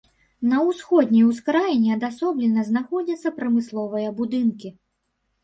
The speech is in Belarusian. На ўсходняй ускраіне адасоблена знаходзяцца прамысловыя будынкі.